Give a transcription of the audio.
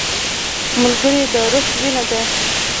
ملګری د روح وینه ده